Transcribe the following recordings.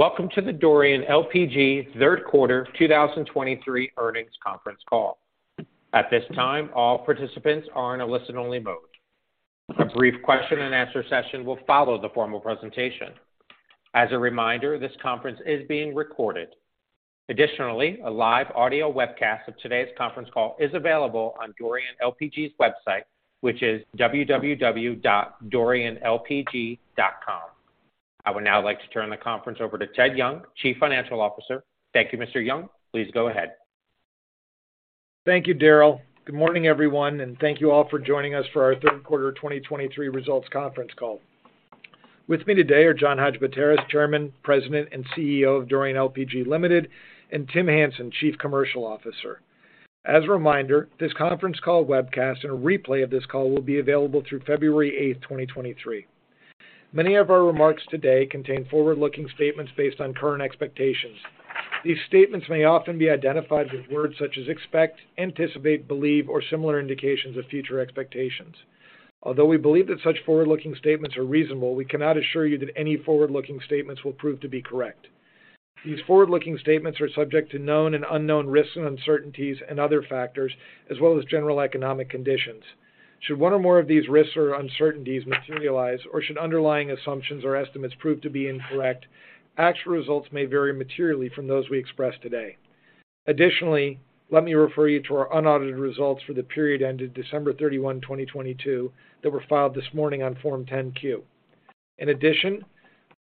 Welcome to the Dorian LPG Q3 2023 earnings conference call. At this time, all participants are in a listen-only mode. A brief question-and-answer session will follow the formal presentation. As a reminder, this conference is being recorded. Additionally, a live audio webcast of today's conference call is available on Dorian LPG's website, which is www.dorianlpg.com. I would now like to turn the conference over to Theodore Young, Chief Financial Officer. Thank you, Mr. Young. Please go ahead. Thank you, Daryl. Good morning, everyone, and thank you all for joining us for our Q3 2023 results conference call. With me today are John Hadjipateras, Chairman, President, and CEO of Dorian LPG Ltd., and Tim Hansen, Chief Commercial Officer. As a reminder, this conference call webcast and a replay of this call will be available through February 8th, 2023. Many of our remarks today contain forward-looking statements based on current expectations. These statements may often be identified with words such as expect, anticipate, believe, or similar indications of future expectations. Although we believe that such forward-looking statements are reasonable, we cannot assure you that any forward-looking statements will prove to be correct. These forward-looking statements are subject to known and unknown risks and uncertainties and other factors as well as general economic conditions. Should one or more of these risks or uncertainties materialize or should underlying assumptions or estimates prove to be incorrect, actual results may vary materially from those we express today. Let me refer you to our unaudited results for the period ended December 31, 2022, that were filed this morning on Form 10-Q.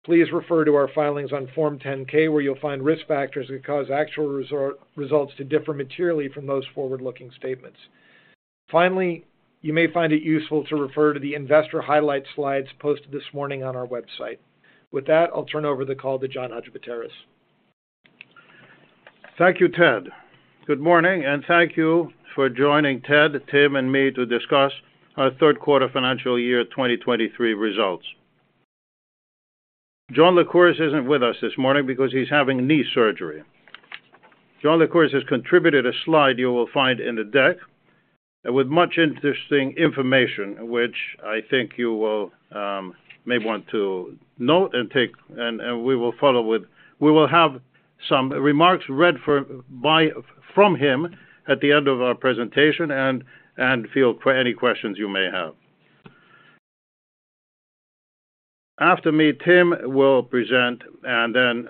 Please refer to our filings on Form 10-K where you'll find risk factors that cause actual results to differ materially from those forward-looking statements. You may find it useful to refer to the investor highlight slides posted this morning on our website. With that, I'll turn over the call to John Hadjipateras. Thank you, Ted. Good morning, and thank you for joining Ted, Tim, and me to discuss our Q3 financial year 2023 results. John Lycouris isn't with us this morning because he's having knee surgery. John Lycouris has contributed a slide you will find in the deck with much interesting information which I think you may want to note and take, and we will follow with. We will have some remarks read from him at the end of our presentation and field for any questions you may have. After me, Tim will present and then.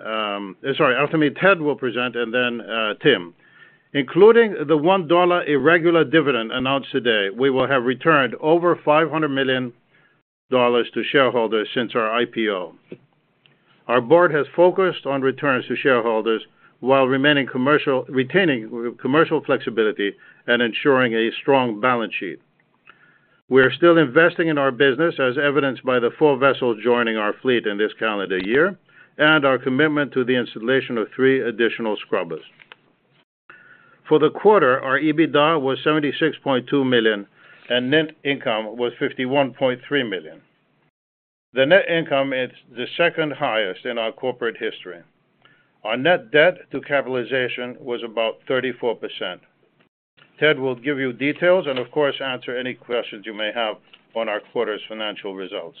Sorry. After me, Ted will present and then Tim. Including the $1 irregular dividend announced today, we will have returned over $500 million to shareholders since our IPO. Our board has focused on returns to shareholders while retaining commercial flexibility and ensuring a strong balance sheet. We are still investing in our business as evidenced by the four vessels joining our fleet in this calendar year and our commitment to the installation of three additional scrubbers. For the quarter, our EBITDA was $76.2 million, and net income was $51.3 million. The net income is the second highest in our corporate history. Our net debt to capitalization was about 34%. Ted will give you details and of course, answer any questions you may have on our quarter's financial results.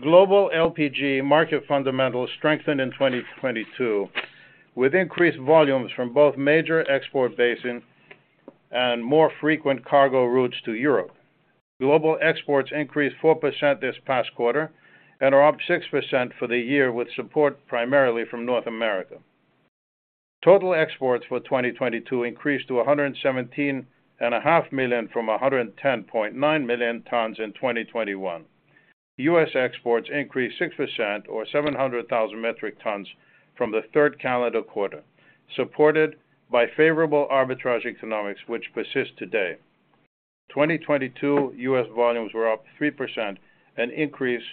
Global LPG market fundamentals strengthened in 2022 with increased volumes from both major export basins and more frequent cargo routes to Europe. Global exports increased 4% this past quarter and are up 6% for the year with support primarily from North America. Total exports for 2022 increased to 117.5 million from 110.9 million tons in 2021. U.S. exports increased 6% or 700,000 metric tons from the 3rd calendar quarter, supported by favorable arbitrage economics, which persist today. 2022 U.S. volumes were up 3%, an increase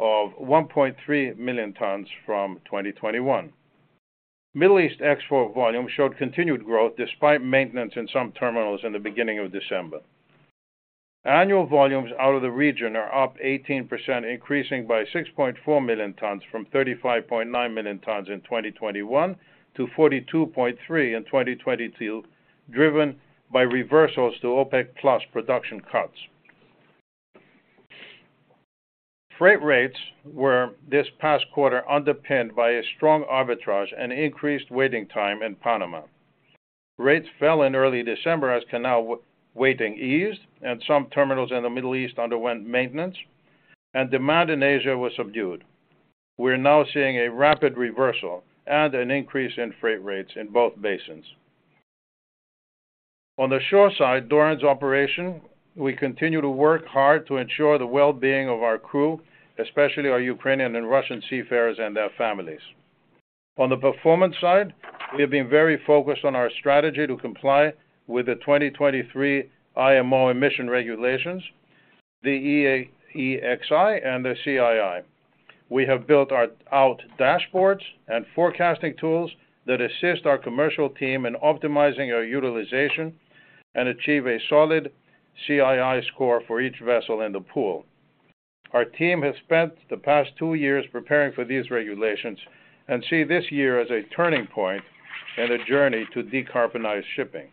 of 1.3 million tons from 2021. Middle East export volumes showed continued growth despite maintenance in some terminals in the beginning of December. Annual volumes out of the region are up 18%, increasing by 6.4 million tons from 35.9 million tons in 2021 to 42.3 million tons in 2022, driven by reversals to OPEC+ production cuts. Freight rates were this past quarter underpinned by a strong arbitrage and increased waiting time in Panama. Rates fell in early December as canal waiting eased and some terminals in the Middle East underwent maintenance, and demand in Asia was subdued. We're now seeing a rapid reversal and an increase in freight rates in both basins. On the shore side, Dorian's operation, we continue to work hard to ensure the well-being of our crew, especially our Ukrainian and Russian seafarers and their families. On the performance side, we have been very focused on our strategy to comply with the 2023 IMO emission regulations, the EEXI, and the CII. We have built out dashboards and forecasting tools that assist our commercial team in optimizing our utilization and achieve a solid CII score for each vessel in the pool. Our team has spent the past two years preparing for these regulations and see this year as a turning point in a journey to decarbonize shipping.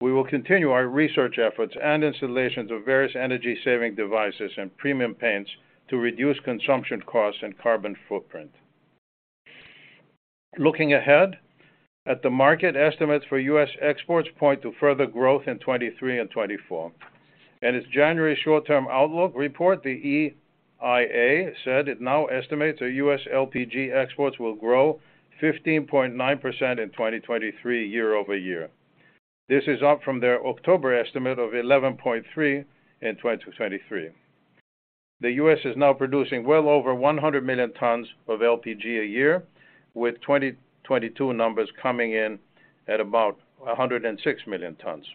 We will continue our research efforts and installations of various Energy Saving Devices and premium paints to reduce consumption costs and carbon footprint. Looking ahead, market estimates for U.S. exports point to further growth in 2023 and 2024. At its January short-term outlook report, the EIA said it now estimates that U.S. LPG exports will grow 15.9% in 2023 year-over-year. This is up from their October estimate of 11.3% in 2023. The U.S. is now producing well over 100 million tons of LPG a year, with 2022 numbers coming in at about 106 million tons.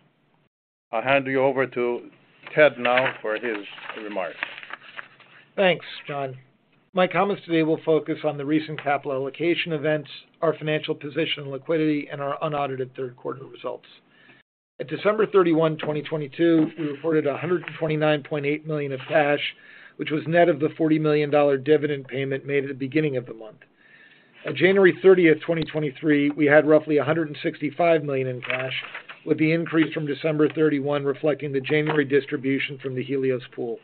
I'll hand you over to Ted now for his remarks. Thanks, John. My comments today will focus on the recent capital allocation events, our financial position and liquidity, and our unaudited Q3 results. At December 31, 2022, we reported $129.8 million of cash, which was net of the $40 million dividend payment made at the beginning of the month. On January 30th, 2023, we had roughly $165 million in cash, with the increase from December 31 reflecting the January distribution from the Helios pool.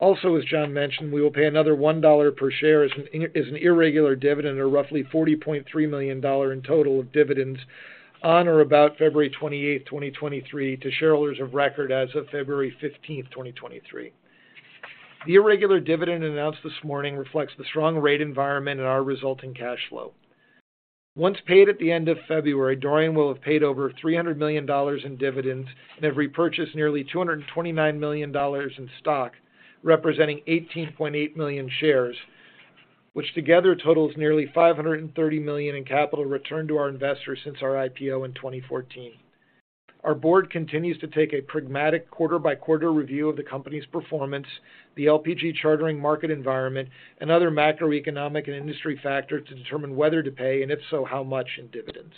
Also, as John mentioned, we will pay another $1 per share as an irregular dividend of roughly $40.3 million in total of dividends on or about February 28th, 2023 to shareholders of record as of February 15th, 2023. The irregular dividend announced this morning reflects the strong rate environment and our resulting cash flow. Once paid at the end of February, Dorian will have paid over $300 million in dividends and have repurchased nearly $229 million in stock, representing 18.8 million shares, which together totals nearly $530 million in capital returned to our investors since our IPO in 2014. Our board continues to take a pragmatic quarter-by-quarter review of the company's performance, the LPG chartering market environment, and other macroeconomic and industry factors to determine whether to pay, and if so, how much in dividends.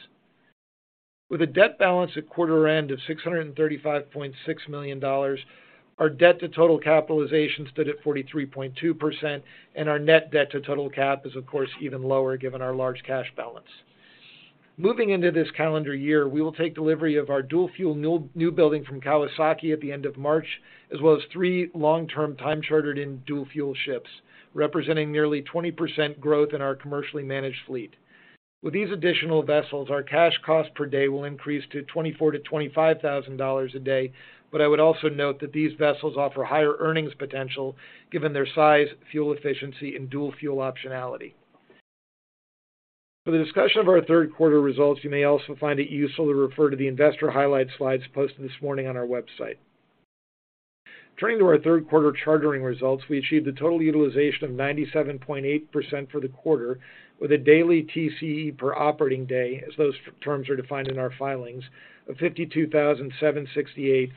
With a debt balance at quarter end of $635.6 million, our debt to total capitalization stood at 43.2%, and our net debt to total cap is of course even lower given our large cash balance. Moving into this calendar year, we will take delivery of our dual-fuel new building from Kawasaki at the end of March, as well as three long-term time chartered in dual-fuel ships, representing nearly 20% growth in our commercially managed fleet. With these additional vessels, our cash cost per day will increase to $24,000-$25,000 a day. I would also note that these vessels offer higher earnings potential given their size, fuel efficiency, and dual-fuel optionality. For the discussion of our Q3 results, you may also find it useful to refer to the investor highlight slides posted this morning on our website. Turning to our Q3 chartering results, we achieved a total utilization of 97.8% for the quarter, with a daily TCE per operating day, as those terms are defined in our filings, of $52,768,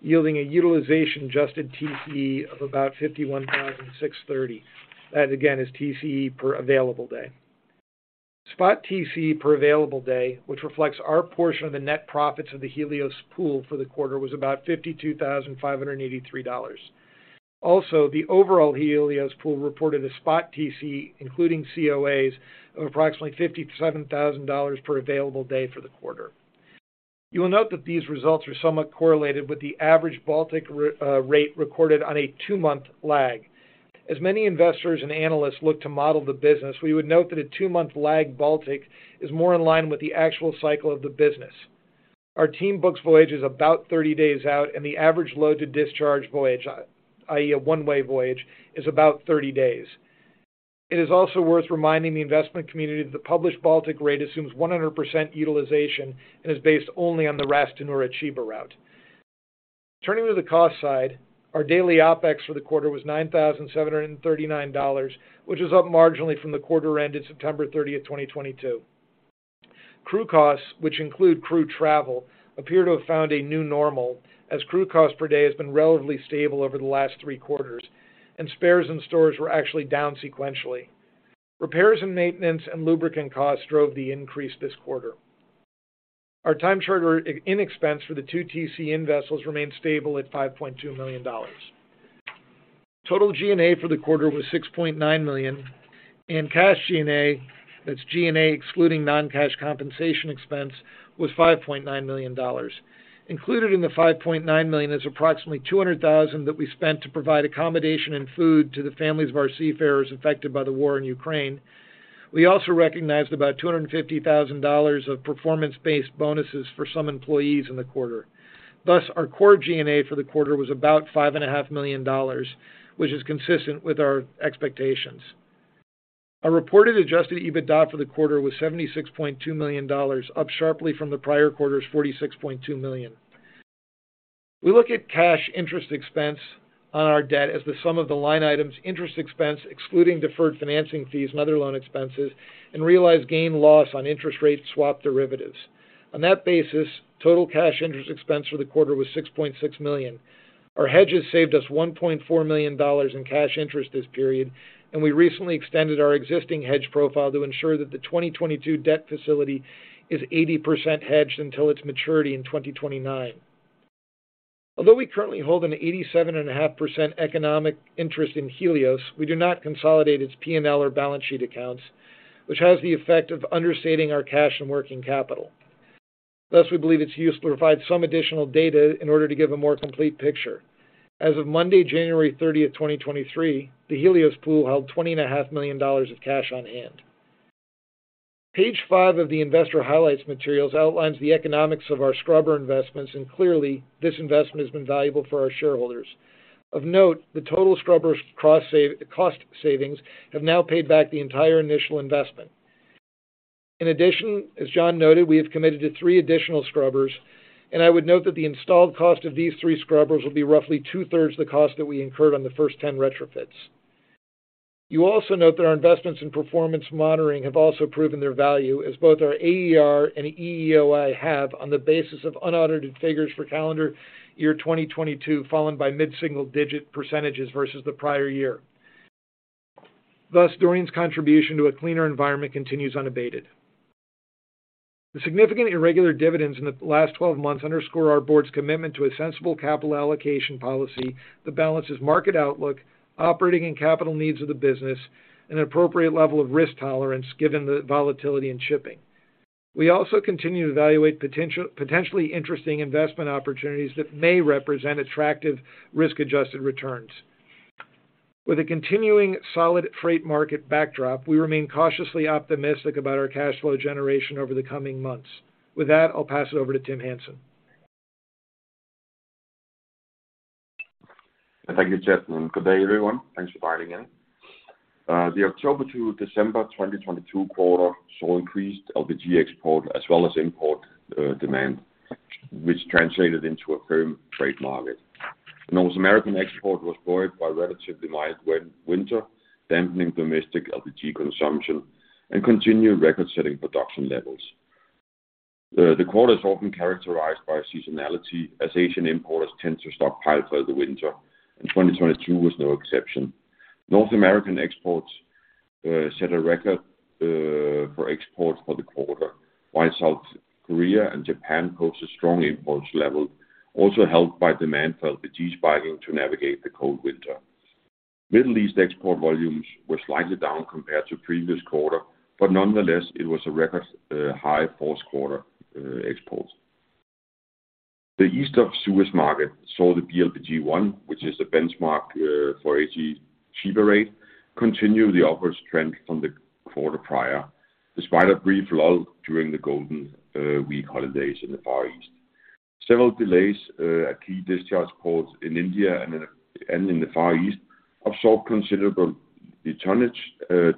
yielding a utilization-adjusted TCE of about $51,630. That, again, is TCE per available day. Spot TCE per available day, which reflects our portion of the net profits of the Helios pool for the quarter, was about $52,583. The overall Helios pool reported a spot TCE, including COAs, of approximately $57,000 per available day for the quarter. You will note that these results are somewhat correlated with the average Baltic rate recorded on a two-month lag. As many investors and analysts look to model the business, we would note that a two month lag Baltic is more in line with the actual cycle of the business. Our team books voyages about 30 days out, and the average load-to-discharge voyage, i.e., a one-way voyage, is about 30 days. It is also worth reminding the investment community that the published Baltic rate assumes 100% utilization and is based only on the Ras Tanura Chiba route. Turning to the cost side, our daily OpEx for the quarter was $9,739, which is up marginally from the quarter ended September 30th, 2022. Crew costs, which include crew travel, appear to have found a new normal as crew cost per day has been relatively stable over the last three quarters, and spares and stores were actually down sequentially. Repairs and maintenance and lubricant costs drove the increase this quarter. Our time charter in expense for the two TCE in vessels remained stable at $5.2 million. Total G&A for the quarter was $6.9 million. Cash G&A, that's G&A excluding non-cash compensation expense, was $5.9 million. Included in the $5.9 million is approximately $200,000 that we spent to provide accommodation and food to the families of our seafarers affected by the war in Ukraine. We also recognized about $250,000 of performance-based bonuses for some employees in the quarter. Our core G&A for the quarter was about five and a half million dollars, which is consistent with our expectations. Our reported adjusted EBITDA for the quarter was $76.2 million, up sharply from the prior quarter's $46.2 million. We look at cash interest expense on our debt as the sum of the line items interest expense, excluding deferred financing fees and other loan expenses, and realize gain/loss on interest rate swap derivatives. On that basis, total cash interest expense for the quarter was $6.6 million. Our hedges saved us $1.4 million in cash interest this period, and we recently extended our existing hedge profile to ensure that the 2022 debt facility is 80% hedged until its maturity in 2029. Although we currently hold an 87.5% economic interest in Helios, we do not consolidate its P&L or balance sheet accounts, which has the effect of understating our cash and working capital. Thus, we believe it's useful to provide some additional data in order to give a more complete picture. As of Monday, January 30th, 2023, the Helios LPG Pool held $20.5 million of cash on hand. Page five of the investor highlights materials outlines the economics of our scrubber investments. Clearly this investment has been valuable for our shareholders. Of note, the total scrubber cost savings have now paid back the entire initial investment. In addition, as John noted, we have committed to three additional scrubbers. I would note that the installed cost of these three scrubbers will be roughly 2/3 the cost that we incurred on the first 10 retrofits. You also note that our investments in performance monitoring have also proven their value, as both our AER and EEOI have on the basis of unaudited figures for calendar year 2022, fallen by mid-single-digit percentages versus the prior year. Dorian's contribution to a cleaner environment continues unabated. The significant irregular dividends in the last twelve months underscore our board's commitment to a sensible capital allocation policy that balances market outlook, operating and capital needs of the business, and an appropriate level of risk tolerance given the volatility in shipping. We also continue to evaluate potentially interesting investment opportunities that may represent attractive risk-adjusted returns. With a continuing solid freight market backdrop, we remain cautiously optimistic about our cash flow generation over the coming months. With that, I'll pass it over to Tim Hansen. Thank you, Ted, and good day, everyone. Thanks for dialing in. The October to December 2022 quarter saw increased LPG export as well as import demand, which translated into a firm trade market. North American export was buoyed by relatively mild winter, dampening domestic LPG consumption and continued record-setting production levels. The quarter is often characterized by seasonality as Asian importers tend to stockpile for the winter, and 2022 was no exception. North American exports set a record for exports for the quarter, while South Korea and Japan posted strong imports level, also helped by demand for LPG spiking to navigate the cold winter. Middle East export volumes were slightly down compared to previous quarter, but nonetheless, it was a record high Q4 exports. The East of Suez market saw the BLPG1, which is the benchmark, for AG-Chiba rate, continue the upward trend from the quarter prior, despite a brief lull during the Golden Week holidays in the Far East. Several delays at key discharge ports in India and in the Far East absorbed considerable tonnage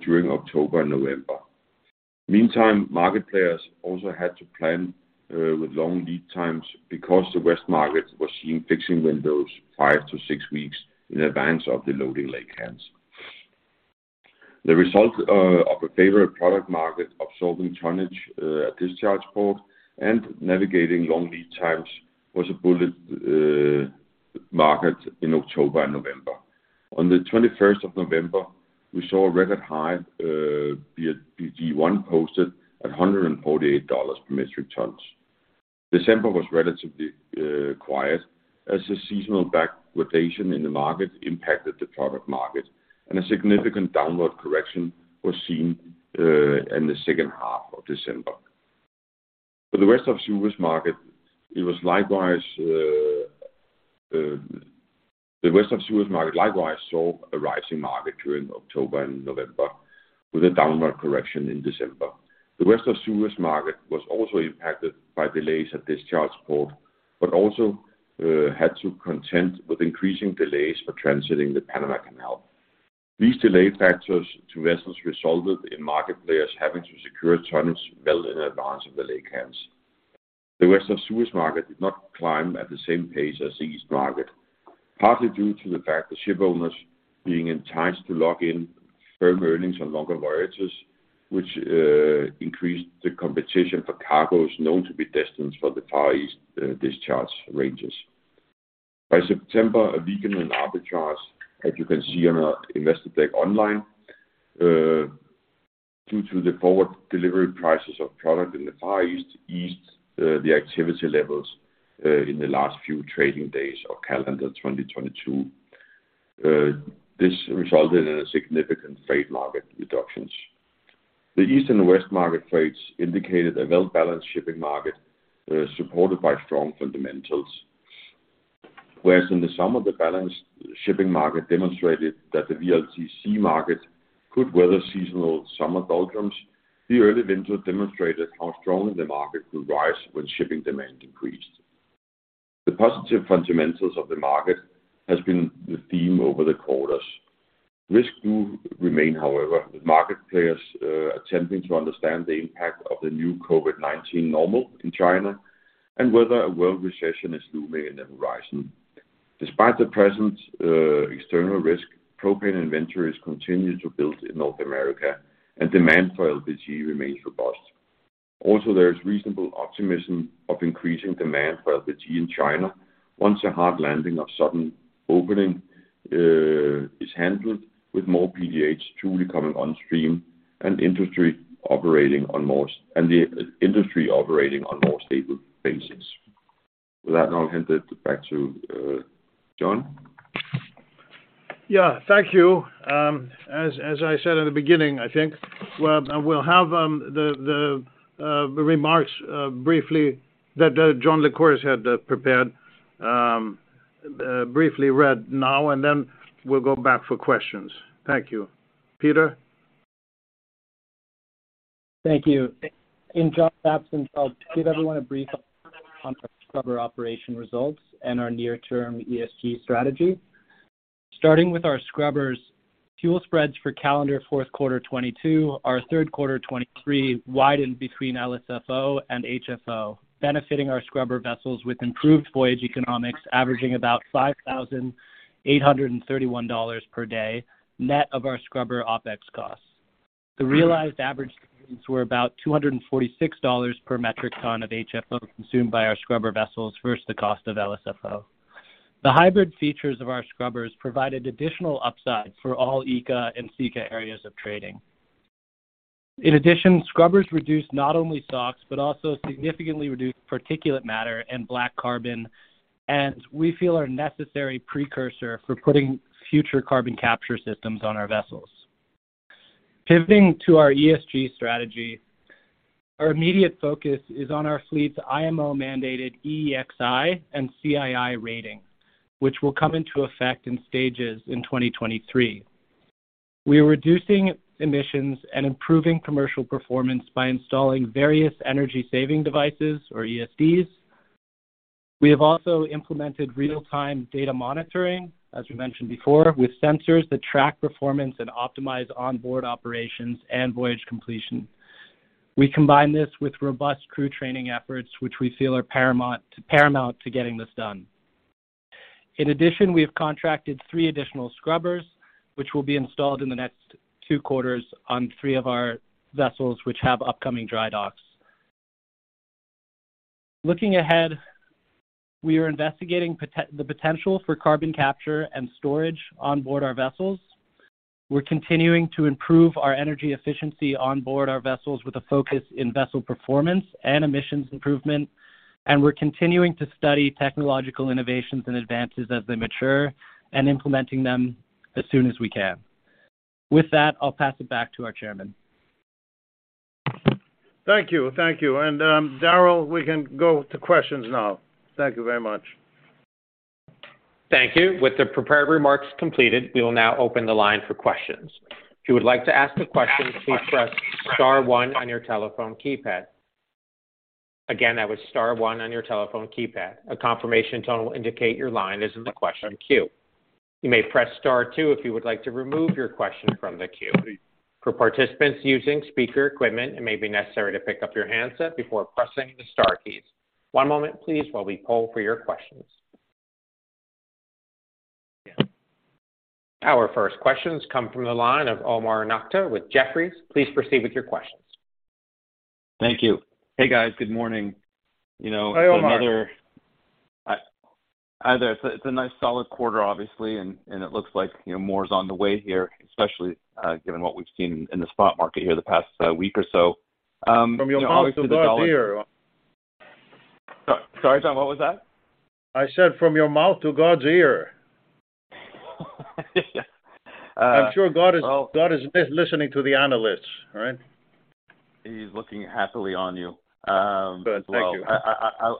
during October and November. Meantime, market players also had to plan with long lead times because the West market was seeing fixing windows five to six weeks in advance of the loading laycans. The result of a favorite product market absorbing tonnage at discharge port and navigating long lead times was a bullet market in October and November. On the 21st of November, we saw a record high BLPG1 posted at $148 per metric tons. December was relatively quiet as the seasonal backwardation in the market impacted the product market, and a significant downward correction was seen in the H2 of December. For the West of Suez market, it was likewise. The West of Suez market likewise saw a rising market during October and November with a downward correction in December. The West of Suez market was also impacted by delays at discharge port, but also had to contend with increasing delays for transiting the Panama Canal. These delay factors to vessels resulted in market players having to secure tonnage well in advance of the laycans. The West of Suez market did not climb at the same pace as the East market, partly due to the fact that ship owners being enticed to lock in firm earnings on longer voyages, which increased the competition for cargos known to be destined for the Far East discharge ranges. By September, a weakened arbitrage, as you can see on our investor deck online, due to the forward delivery prices of product in the Far East, the activity levels in the last few trading days of calendar 2022. This resulted in a significant freight market reductions. The East and West market rates indicated a well-balanced shipping market, supported by strong fundamentals. In the summer, the balanced shipping market demonstrated that the VLGC market could weather seasonal summer doldrums, the early winter demonstrated how strongly the market could rise when shipping demand increased. The positive fundamentals of the market has been the theme over the quarters. Risks do remain, however, with market players attempting to understand the impact of the new COVID-19 normal in China and whether a world recession is looming in the horizon. Despite the present external risk, propane inventories continue to build in North America and demand for LPG remains robust. There is reasonable optimism of increasing demand for LPG in China once a hard landing of sudden opening is handled with more PDH truly coming on stream and the industry operating on more stable basis. With that, I'll hand it back to John. Yeah. Thank you. As I said in the beginning, I think, well, I will have the remarks briefly that John Lycouris had prepared, briefly read now and then we'll go back for questions. Thank you. Peter? Thank you. In John's absence, I'll give everyone a brief on our scrubber operation results and our near-term ESG strategy. Starting with our scrubbers, fuel spreads for calendar Q4 2022, our Q3 2023 widened between LSFO and HFO, benefiting our scrubber vessels with improved voyage economics averaging about $5,831 per day, net of our scrubber OpEx costs. The realized average payments were about $246 per metric ton of HFO consumed by our scrubber vessels versus the cost of LSFO. The hybrid features of our scrubbers provided additional upside for all ECA and SECA areas of trading. In addition, scrubbers reduce not only SOx, but also significantly reduce particulate matter and black carbon, and we feel are a necessary precursor for putting future carbon capture systems on our vessels. Pivoting to our ESG strategy, our immediate focus is on our fleet's IMO-mandated EEXI and CII rating, which will come into effect in stages in 2023. We are reducing emissions and improving commercial performance by installing various Energy Saving Devices or ESDs. We have also implemented real-time data monitoring, as we mentioned before, with sensors that track performance and optimize onboard operations and voyage completion. We combine this with robust crew training efforts, which we feel are paramount to getting this done. We have contracted three additional scrubbers, which will be installed in the next two quarters on three of our vessels, which have upcoming dry docks. Looking ahead, we are investigating the potential for Carbon Capture and Storage on board our vessels. We're continuing to improve our energy efficiency on board our vessels with a focus in vessel performance and emissions improvement. We're continuing to study technological innovations and advances as they mature and implementing them as soon as we can. With that, I'll pass it back to our chairman. Thank you. Thank you. Daryl, we can go to questions now. Thank you very much. Thank you. With the prepared remarks completed, we will now open the line for questions. If you would like to ask a question, please press star one on your telephone keypad. Again, that was star one on your telephone keypad. A confirmation tone will indicate your line is in the question queue. You may press star two if you would like to remove your question from the queue. For participants using speaker equipment, it may be necessary to pick up your handset before pressing the star keys. One moment, please, while we poll for your questions. Our first questions come from the line of Omar Nokta with Jefferies. Please proceed with your questions. Thank you. Hey, guys. Good morning. You know. Hey, Omar. Hi. It's a nice solid quarter, obviously, and it looks like, you know, more is on the way here, especially given what we've seen in the spot market here the past week or so. You know, obviously the dollar-... From your mouth to God's ear. Sorry, John, what was that? I said, from your mouth to God's ear. Yeah. I'm sure God is listening to the analysts, right? He's looking happily on you. Good. Thank you. Well,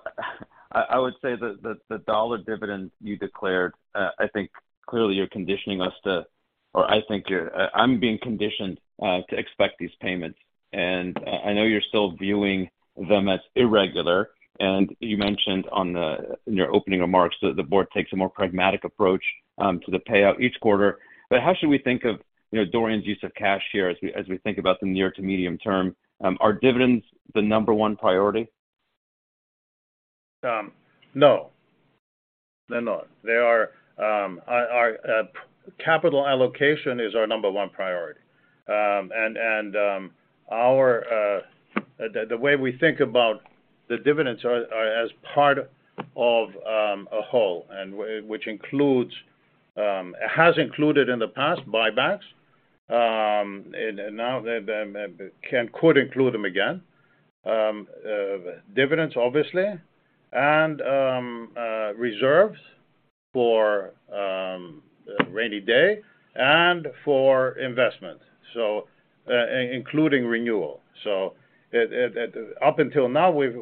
I would say that the dollar dividend you declared, I think clearly you're conditioning us to... Or I'm being conditioned to expect these payments. I know you're still viewing them as irregular. You mentioned in your opening remarks that the board takes a more pragmatic approach to the payout each quarter. How should we think of, you know, Dorian's use of cash here as we, as we think about the near to medium term? Are dividends the number one priority? No. They're not. They are, our capital allocation is our number one priority. The way we think about the dividends are as part of a whole and which includes, has included in the past, buybacks. Now they could include them again. Dividends, obviously, and reserves for a rainy day and for investment, so including renewal. Up until now, we've,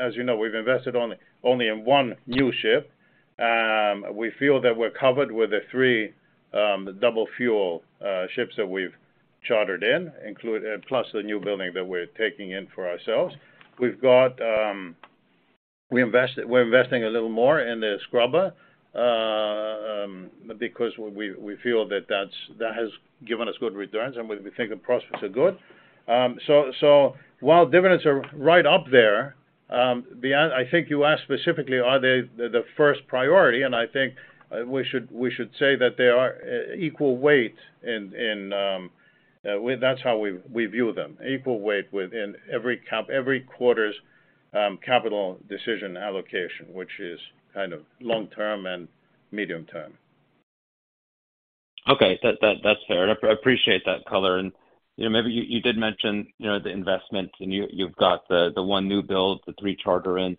as you know, we've invested only in one new ship. We feel that we're covered with the three dual-fuel ships that we've chartered in, plus the new building that we're taking in for ourselves. We've got. We're investing a little more in the scrubber because we feel that that's, that has given us good returns, and we think the prospects are good. While dividends are right up there, I think you asked specifically, are they the first priority? I think we should say that they are equal weight in that's how we view them, equal weight within every quarter's capital decision allocation, which is kind of long-term and medium-term. Okay. That's fair. I appreciate that color. You know, maybe you did mention, you know, the investment and you've got the one new build, the three charter in.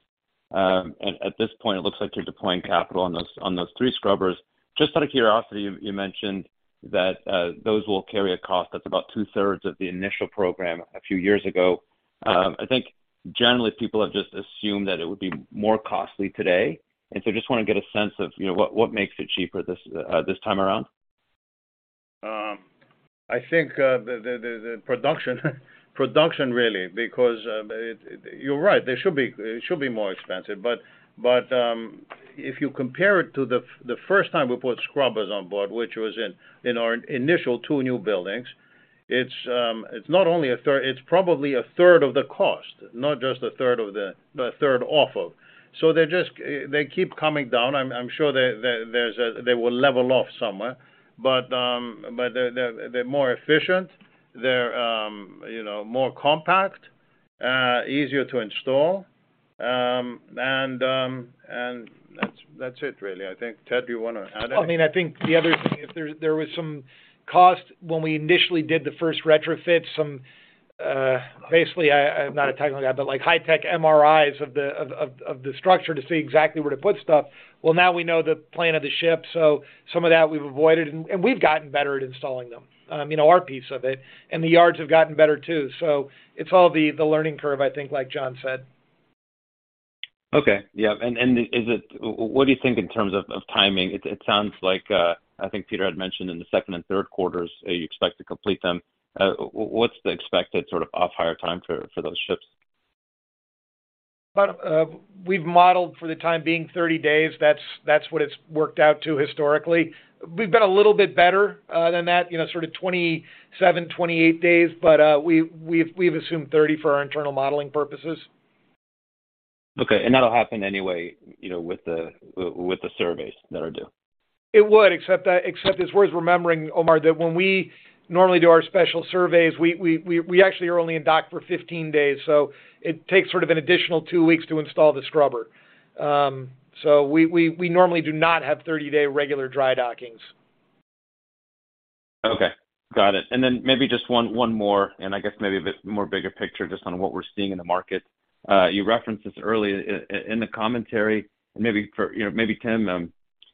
At this point, it looks like you're deploying capital on those three scrubbers. Just out of curiosity, you mentioned that those will carry a cost that's about two-thirds of the initial program a few years ago. Mm-hmm. I think generally people have just assumed that it would be more costly today. Just wanna get a sense of, you know, what makes it cheaper this time around? I think the production really, because you're right, they should be more expensive. If you compare it to the first time we put scrubbers on board, which was in our initial two new buildings, it's not only a third, it's probably a third of the cost, not just a third of the, a third off of. They're just, they keep coming down. I'm sure they will level off somewhere. They're more efficient. They're, you know, more compact, easier to install. That's, that's it really. I think, Ted, do you wanna add anything? I mean, I think the other thing, if there was some cost when we initially did the first retrofit, some, basically, I'm not a technical guy, but like high-tech MRIs of the structure to see exactly where to put stuff. Now we know the plan of the ship, so some of that we've avoided and we've gotten better at installing them, you know, our piece of it. The yards have gotten better too. It's all the learning curve, I think, like John said. Okay. Yeah. What do you think in terms of timing? It sounds like, I think Peter had mentioned in the second and Q3s, you expect to complete them. What's the expected sort of off-hire time for those ships? About, we've modeled for the time being 30 days. That's what it's worked out to historically. We've been a little bit better than that, you know, sort of 27, 28 days. We've assumed 30 for our internal modeling purposes. Okay. That'll happen anyway, you know, with the surveys that are due. It would, except it's worth remembering, Omar, that when we normally do our special surveys, we actually are only in dock for 15 days. It takes sort of an additional 2 weeks to install the scrubber. We normally do not have 30-day regular dry dockings. Okay. Got it. maybe just one more, I guess maybe a bit more bigger picture just on what we're seeing in the market. you referenced this earlier in the commentary, maybe for, you know, maybe Tim,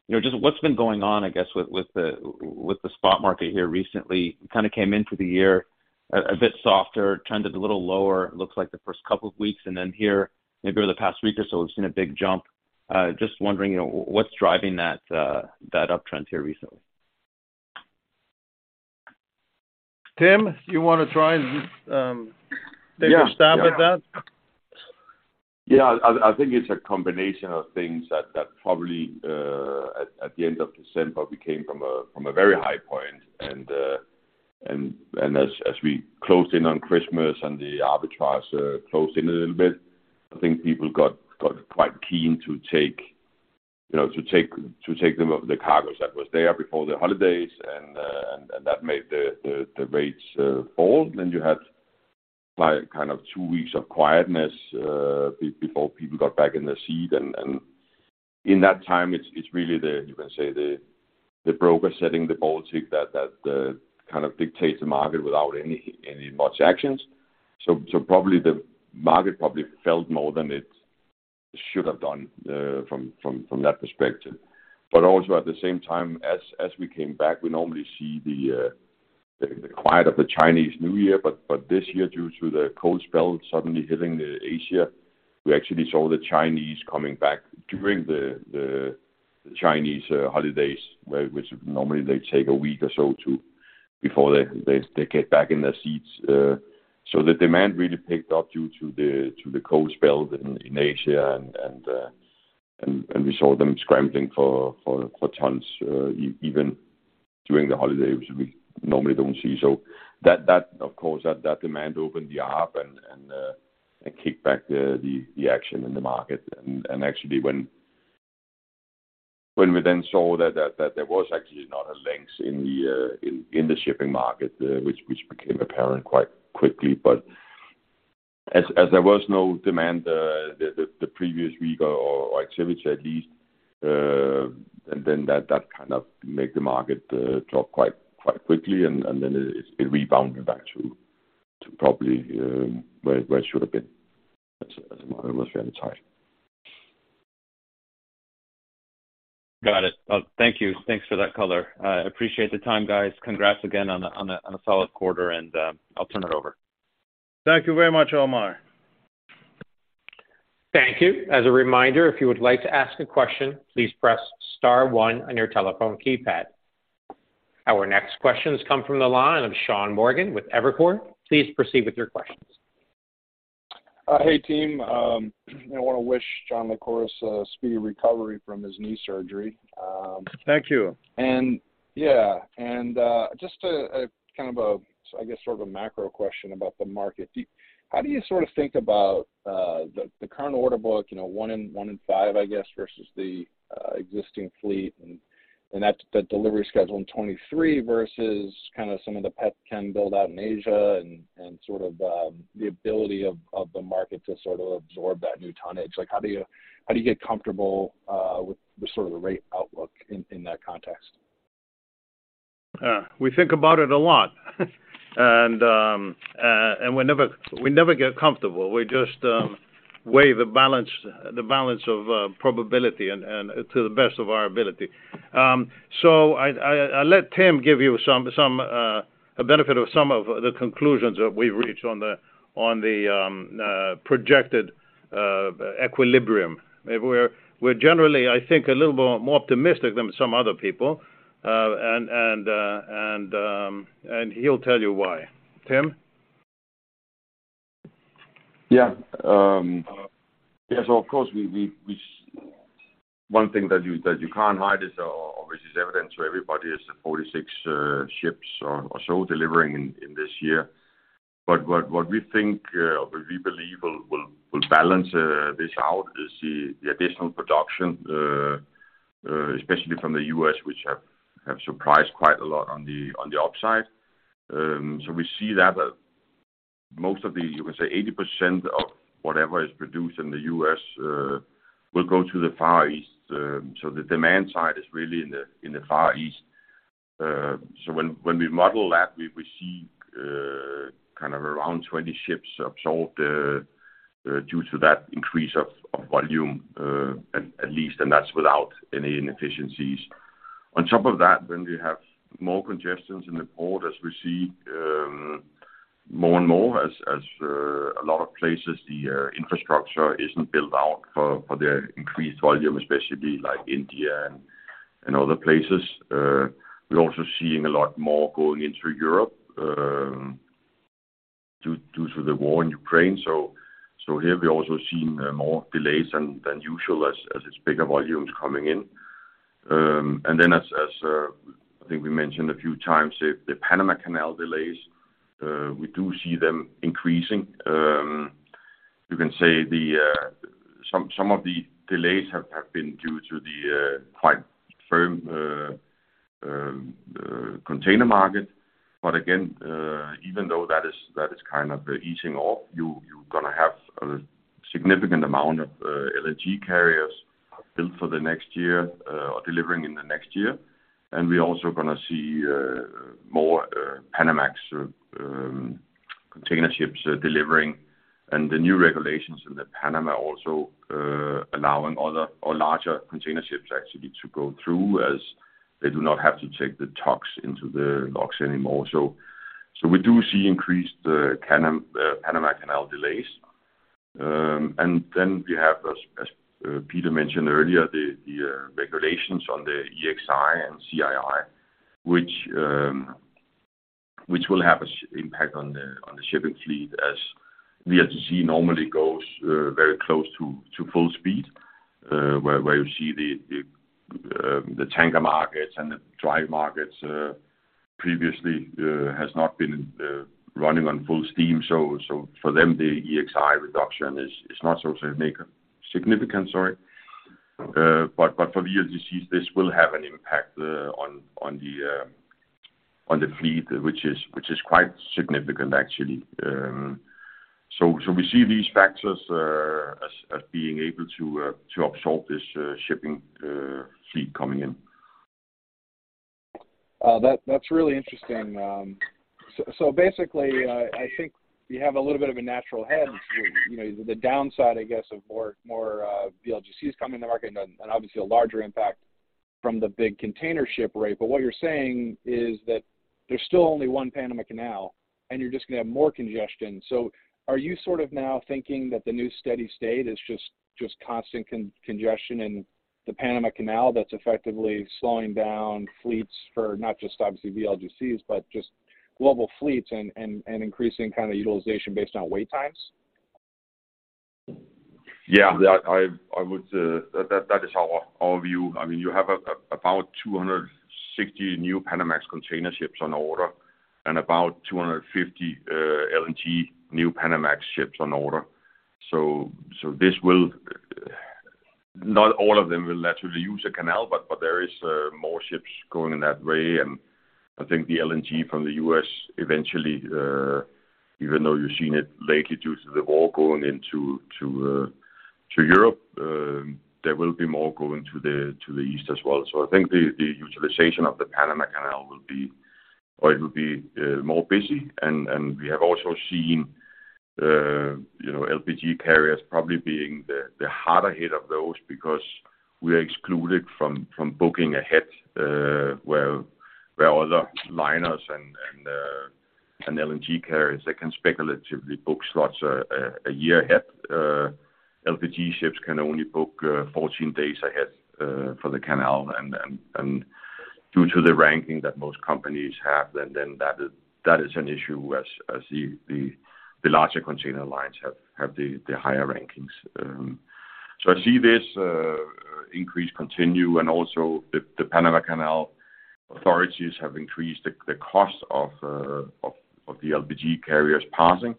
you know, just what's been going on, I guess, with the spot market here recently? Kind of came into the year a bit softer, trended a little lower, it looks like the first couple of weeks, here, maybe over the past week or so, we've seen a big jump. just wondering, you know, what's driving that uptrend here recently? Tim, you wanna try and? Yeah, yeah. take a stab at that? Yeah. I think it's a combination of things that probably at the end of December, we came from a very high point. As we closed in on Christmas and the arbitrage closed in a little bit, I think people got quite keen to take, you know, to take them of the cargos that was there before the holidays, and that made the rates fall. You had like kind of two weeks of quietness before people got back in their seat. In that time, it's really the, you can say, the broker setting the Baltic that kind of dictates the market without any much actions. Probably the market probably felt more than it should have done from that perspective. Also at the same time, as we came back, we normally see the quiet of the Chinese New Year. This year, due to the cold spell suddenly hitting Asia, we actually saw the Chinese coming back during the Chinese holidays, where which normally they take a week or so to, before they get back in their seats. The demand really picked up due to the cold spell in Asia and we saw them scrambling for tons even during the holiday, which we normally don't see. That of course, that demand opened the up and kicked back the action in the market. And actually when we then saw that there was actually not a length in the shipping market, which became apparent quite quickly. As there was no demand, the previous week or activity at least, and then that kind of made the market drop quite quickly, and then it rebounded back to probably where it should have been as the market was fairly tight. Got it. Thank you. Thanks for that color. I appreciate the time, guys. Congrats again on a solid quarter, I'll turn it over. Thank you very much, Omar. Thank you. As a reminder, if you would like to ask a question, please press star one on your telephone keypad. Our next questions come from the line of Sean Morgan with Evercore. Please proceed with your questions. hey, team. you know, wanna wish John Lycouris a speedy recovery from his knee surgery. Thank you. Yeah. just a kind of a, I guess sort of a macro question about the market. How do you sort of think about the current order book, you know, one in five, I guess, versus the existing fleet and that delivery schedule in 23 versus kinda some of the petchem build out in Asia and sort of the ability of the market to sort of absorb that new tonnage? Like, how do you, how do you get comfortable with the sort of the rate outlook in that context? We think about it a lot. We never get comfortable. We just weigh the balance of probability and to the best of our ability. I let Tim give you some a benefit of some of the conclusions that we've reached on the projected equilibrium. Where we're generally, I think, a little more optimistic than some other people. He'll tell you why. Tim? Yes, of course, we One thing that you, that you can't hide is, or which is evident to everybody is the 46 ships or so delivering in this year. What we think, or we believe will balance this out is the additional production, especially from the U.S. which have surprised quite a lot on the upside. We see that most of the, you can say 80% of whatever is produced in the U.S. will go to the Far East. The demand side is really in the Far East. When we model that, we see kind of around 20 ships absorbed due to that increase of volume at least, and that's without any inefficiencies. On top of that, when we have more congestions in the port as we see, more and more as a lot of places the infrastructure isn't built out for the increased volume, especially like India and other places. We're also seeing a lot more going into Europe, due to the war in Ukraine. Here we're also seeing more delays than usual as it's bigger volumes coming in. And then as I think we mentioned a few times, the Panama Canal delays, we do see them increasing. You can say the some of the delays have been due to the quite firm container market. Again, even though that is kind of easing off, you're gonna have a significant amount of LNG carriers built for the next year or delivering in the next year. We're also gonna see more Panamax container ships delivering. The new regulations in the Panama also allowing other or larger container ships actually to go through as they do not have to take the tugs into the locks anymore. We do see increased Panama Canal delays. We have as Peter mentioned earlier, the regulations on the EEXI and CII, which will have a impact on the shipping fleet as VLGC normally goes very close to full speed. Where you see the tanker markets and the dry markets previously has not been running on full steam. For them, the EEXI reduction is not so significant. Sorry. For VLGCs, this will have an impact on the fleet, which is quite significant actually. We see these factors as being able to absorb this shipping fleet coming in. That's really interesting. Basically, I think we have a little bit of a natural head. You know, the downside, I guess, of more VLGCs coming to market and obviously a larger impact from the big container ship rate. What you're saying is that there's still only one Panama Canal, and you're just gonna have more congestion. Are you sort of now thinking that the new steady state is just constant congestion in the Panama Canal that's effectively slowing down fleets for not just obviously VLGCs but just global fleets and increasing kind of utilization based on wait times? Yeah. That, I would, that is our view. I mean, you have about 260 new Panamax container ships on order and about 250 LNG new Panamax ships on order. This will. Not all of them will naturally use the canal, but there is more ships going in that way. I think the LNG from the U.S. eventually, even though you're seeing it lately due to the war going into to Europe, there will be more going to the East as well. I think the utilization of the Panama Canal will be or it will be more busy. We have also seen, you know, LPG carriers probably being the harder hit of those because we are excluded from booking ahead, where other liners and LNG carriers that can speculatively book slots a year ahead. LPG ships can only book 14 days ahead for the Panama Canal. Due to the ranking that most companies have, then that is an issue as the larger container lines have the higher rankings. I see this increase continue. Also the Panama Canal authorities have increased the cost of the LPG carriers passing.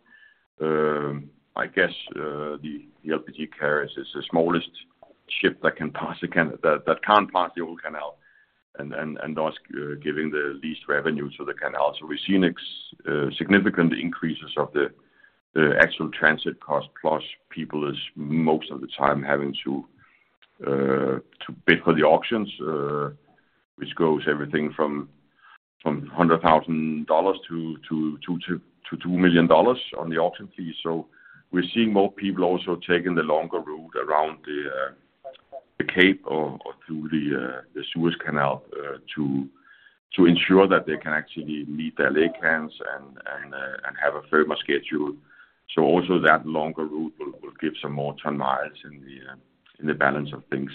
I guess the LPG carriers is the smallest ship that can't pass the whole Panama Canal. Thus, giving the least revenue to the canal. We're seeing significant increases of the actual transit cost, plus people is most of the time having to bid for the auctions, which goes everything from $100,000-$2 million on the auction fee. We're seeing more people also taking the longer route around the Cape or through the Suez Canal to ensure that they can actually meet their laycan and have a firmer schedule. Also that longer route will give some more ton-miles in the balance of things.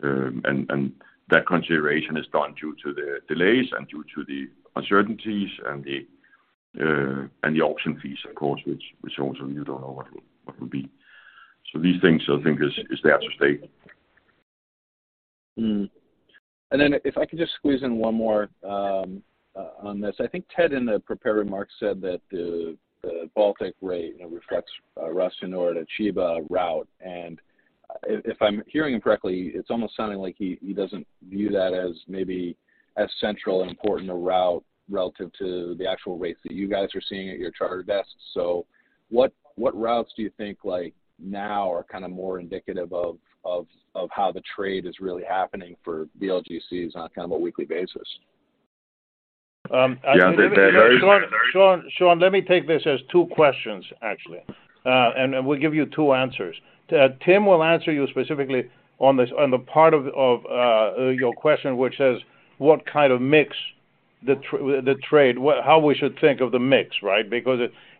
And that consideration is done due to the delays and due to the uncertainties and the and the auction fees, of course, which also you don't know what will be. These things I think is there to stay. If I could just squeeze in one more on this. I think Ted, in the prepared remarks, said that the Baltic rate, you know, reflects Russian or Chiba route. If I'm hearing him correctly, it's almost sounding like he doesn't view that as maybe as central and important a route relative to the actual rates that you guys are seeing at your charter desks. What routes do you think like now are kind of more indicative of how the trade is really happening for VLGCs on kind of a weekly basis? Um, Sean, let me take this as two questions, actually. And we'll give you two answers. Tim will answer you specifically on the part of your question, which says, what kind of mix the trade, how we should think of the mix, right?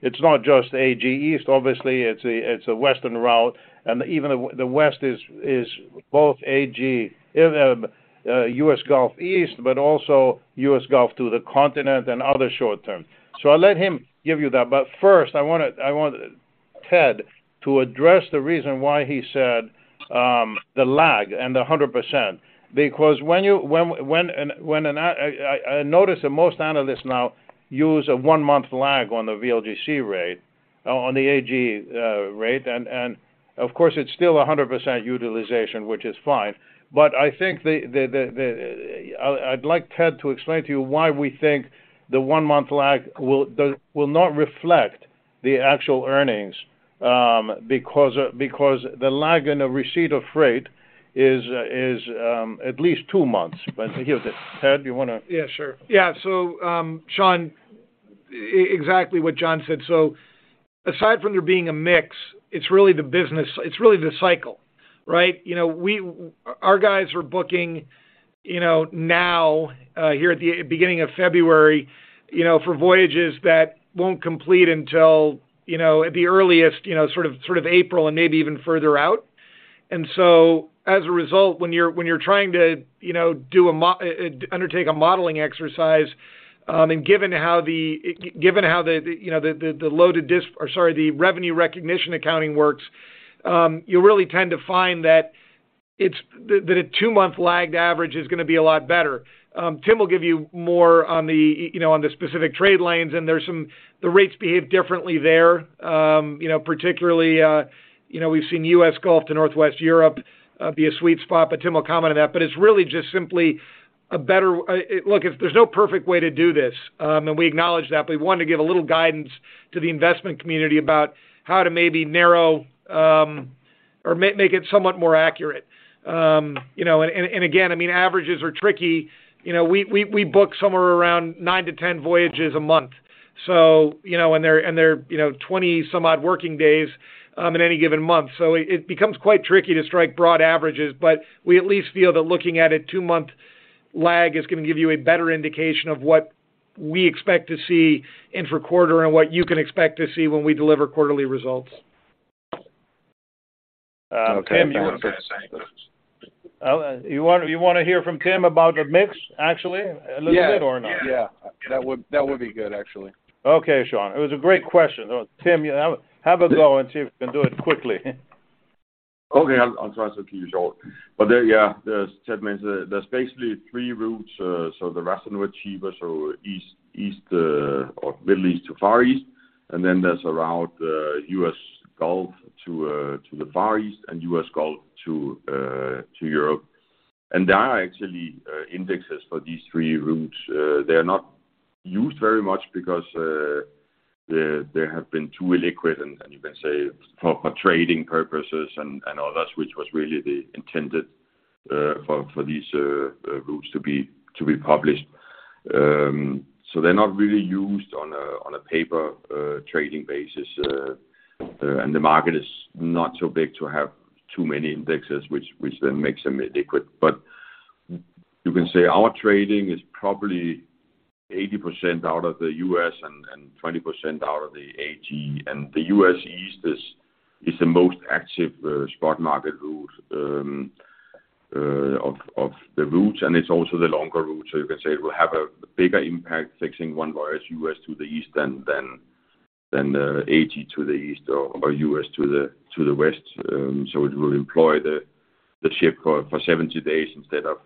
It's not just AG East, obviously. It's a Western route. Even the West is both AG, U.S. Gulf East, but also U.S. Gulf to the continent and other short term. I'll let him give you that. First, I want Ted to address the reason why he said the lag and the 100%. When I notice that most analysts now use a one month lag on the VLGC rate, on the AG rate. Of course, it's still 100% utilization, which is fine. I think the... I'd like Ted to explain to you why we think the one month lag will not reflect the actual earnings, because the lag in the receipt of freight is at least two months. Here's it. Ted, you wanna. Yeah, sure. Yeah. Sean, exactly what John said. Aside from there being a mix, it's really the business. It's really the cycle, right? You know, Our guys were booking, you know, now, here at the beginning of February, you know, for voyages that won't complete until, you know, at the earliest, you know, sort of, sort of April and maybe even further out. As a result, when you're, when you're trying to, you know, undertake a modeling exercise, and given how the, given how the, you know, the revenue recognition accounting works, you really tend to find that a two month lagged average is gonna be a lot better. Tim will give you more on the, you know, on the specific trade lanes, and there's some... The rates behave differently there. You know, particularly, you know, we've seen U.S. Gulf to Northwest Europe be a sweet spot, but Tim will comment on that. It's really just simply a better... Look, there's no perfect way to do this, and we acknowledge that, but we want to give a little guidance to the investment community about how to maybe narrow or make it somewhat more accurate. You know, and again, I mean, averages are tricky. You know, we book somewhere around nine to 10 voyages a month. You know, and they're, you know, 20 some odd working days in any given month. It becomes quite tricky to strike broad averages. We at least feel that looking at a two-month lag is gonna give you a better indication of what we expect to see intra-quarter and what you can expect to see when we deliver quarterly results. Tim, you want to. You want to hear from Tim about the mix actually a little bit or not? Yeah. Yeah. That would be good, actually. Okay, Sean. It was a great question. Tim, have a go and see if you can do it quickly. Okay. I'll try to keep it short. Yeah, as Ted mentioned, there's basically three routes. The Ras Tanura Chiba, so East, or Middle East to Far East. Then there's a route, U.S. Gulf to the Far East and U.S. Gulf to Europe. There are actually indexes for these three routes. They are not used very much because they have been too illiquid, and you can say for trading purposes and others, which was really the intended for these routes to be published. They're not really used on a paper trading basis. The market is not so big to have too many indexes which then makes them illiquid. You can say our trading is probably 80% out of the U.S. and 20% out of the AG. The U.S. East is the most active spot market route of the routes, and it's also the longer route. You can say it will have a bigger impact fixing one voyage US to the East than AG to the East or US to the West. It will employ the ship for 70 days instead of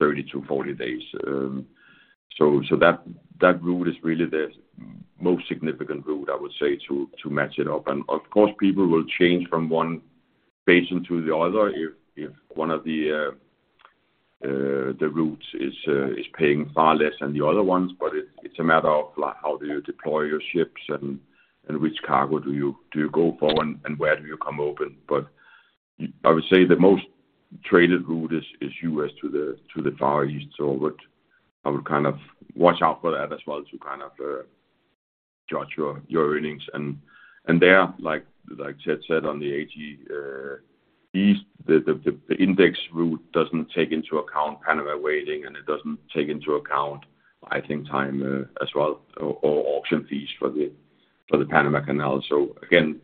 30-40 days. That route is really the most significant route, I would say, to match it up. Of course, people will change from one basin to the other if one of the route is paying far less than the other ones, but it's a matter of like how do you deploy your ships and which cargo do you go for and where do you come open. I would say the most traded route is U.S. to the Far East. I would kind of watch out for that as well to kind of judge your earnings. There, like Ted said on the AG East, the index route doesn't take into account Panama waiting, and it doesn't take into account, I think, time as well, or auction fees for the Panama Canal. Again,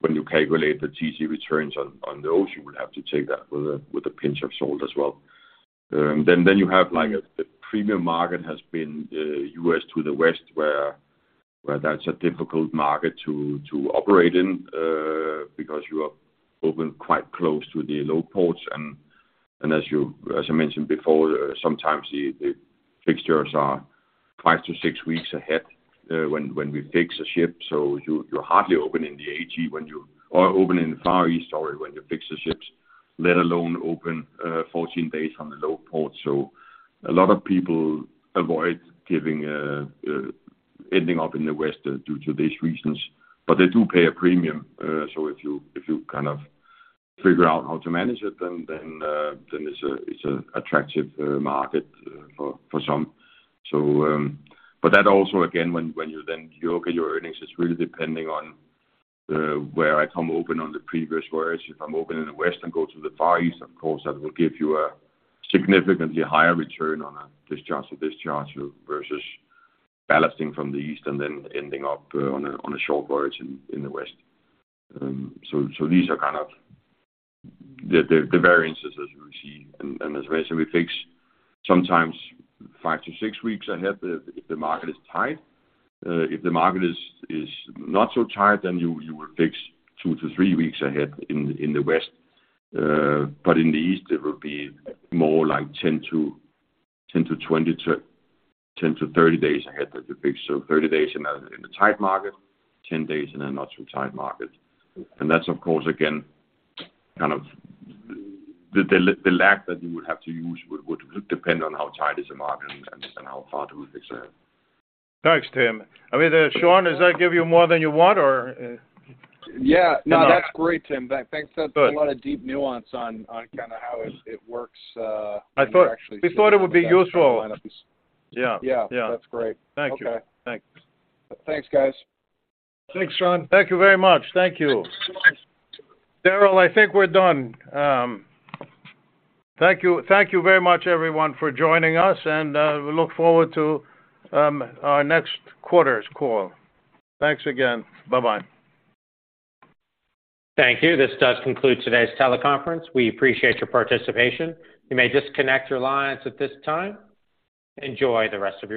when you calculate the TC returns on those, you would have to take that with a pinch of salt as well. Then you have a premium market has been U.S. to the West, where that's a difficult market to operate in because you are open quite close to the load ports. As I mentioned before, sometimes the fixtures are five to six weeks ahead when we fix a ship. You're hardly open in the AG when you are open in the Far East, or when you fix the ships, let alone open 14 days on the load port. A lot of people avoid ending up in the West due to these reasons, but they do pay a premium. If you kind of figure out how to manage it, then it's a attractive market for some. That also again, when you then look at your earnings, it's really depending on where I come open on the previous voyage. If I'm open in the West and go to the Far East, of course, that will give you a significantly higher return on a discharge to discharge versus ballasting from the East and then ending up on a short voyage in the West. These are kind of the variances as you see. As I said, we fix sometimes 5-6 weeks ahead the, if the market is tight. If the market is not so tight, then you will fix two to three weeks ahead in the West. In the East it will be more like 10 to 20 to 10 to 30 days ahead that you fix. 30 days in a tight market, 10 days in a not so tight market. That's of course again kind of the lag that you would have to use would depend on how tight is the market and how far do we fix it. Thanks, Tim. I mean, Sean, does that give you more than you want or? Yeah. No, that's great, Tim. Thanks. That's a lot of deep nuance on kind of how it works. We thought it would be useful. Yeah. Yeah. That's great. Thank you. Okay. Thanks. Thanks, guys. Thanks, Sean. Thank you very much. Thank you. Daryl, I think we're done. Thank you. Thank you very much everyone for joining us, and we look forward to our next quarter's call. Thanks again. Bye-bye. Thank you. This does conclude today's teleconference. We appreciate your participation. You may disconnect your lines at this time. Enjoy the rest of your day.